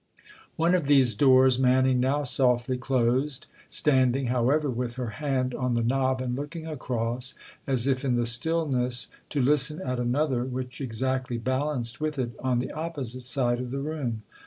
One of these doors Manning now softly closed, standing, however, with her hand on the knob and looking across, as if, in the stillness, to listen at another which exactly balanced with it on the opposite side of the room.